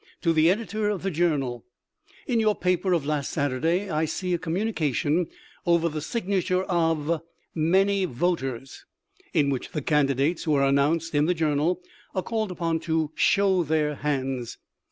To the Editor of The Journal :" In your paper of last Saturday I see a com munication over the signature of " Many Voters " in which the candidates who are announced in the Journal are called upon to ' show their hands.'